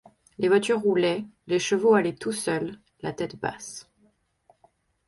Les voitures roulaient, les chevaux allaient tout seuls, la tête basse.